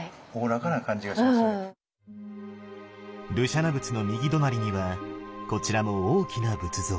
盧舎那仏の右隣にはこちらも大きな仏像。